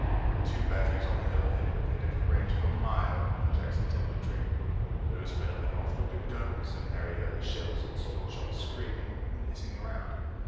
The two batteries on the hill had opened at a range of a mile on Jackson's infantry. Those men of the North were good gunners and Harry heard the shells and solid shot screaming and hissing around.